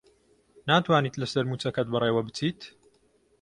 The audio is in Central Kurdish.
ناتوانیت لەسەر مووچەکەت بەڕێوە بچیت؟